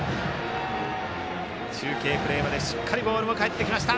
中継プレーまでしっかりボールが返ってきました。